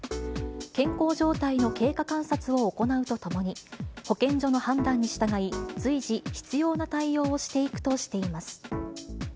健康状態の経過観察を行うとともに、保健所の判断に従い、随時、必要な対応をしていくとしています。